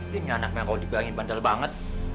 dia punya anaknya kalau dibiangin bandel banget